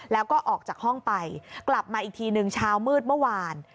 แล้วก็ออกจากห้องไปกลับมาอีกทีหนึ่งเช้ามืดเมื่อวาน